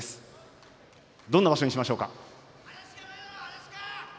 どんな場所にしますか。